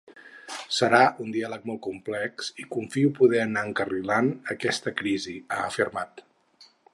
Serà un diàleg molt complex i confio poder anar encarrilant aquesta crisi, ha afirmat.